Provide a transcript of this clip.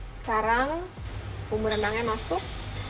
sekarang bumbu rendangnya masuk